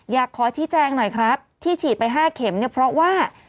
อยากขอชี้แจงหน่อยครับที่ฉีดไป๕เข็มเนี่ยเพราะว่า